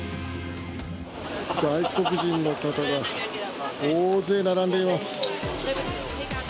外国人の方が大勢並んでいます。